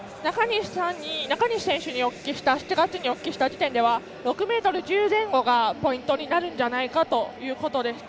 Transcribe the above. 中西選手に７月にお聞きした時点では６ｍ１０前後がポイントになるんじゃないかということでした。